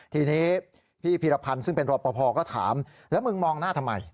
ทีนี้พี่พีรพันธ์ซึ่งเป็นรอปภก็ถามแล้วมึงมองหน้าทำไม